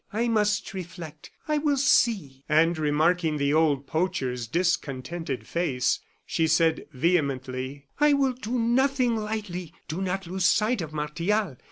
"I must reflect I will see." And remarking the old poacher's discontented face, she said, vehemently: "I will do nothing lightly. Do not lose sight of Martial.